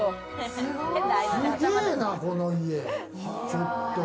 すげな、この家ちょっと。